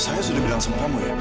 saya sudah bilang sama kamu ya